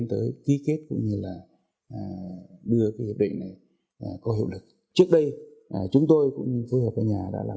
tôi nghĩ là mình mới được được đại đa số từ việt nam